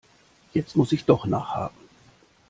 Jetzt muss ich doch nachhaken.